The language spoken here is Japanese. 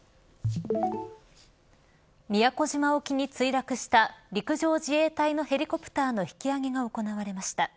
宮古島沖に墜落した陸上自衛隊のヘリコプターの引き揚げが行われました。